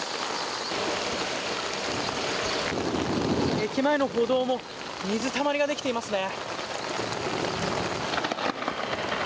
駅前の歩道も水たまりができていますね。